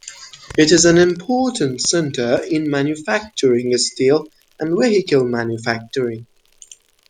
It is an important center in manufacturing steel and vehicle manufacturing.